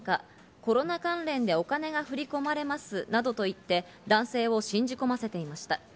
コロナ関連でお金が振り込まれますなどと言って、男性を信じ込ませていました。